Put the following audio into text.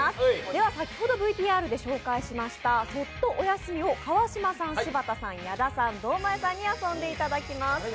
では先ほどＶＴＲでご紹介しました「そっとおやすみ」を川島さん、柴田さん、矢田さん、堂前さんに遊んでいただきます。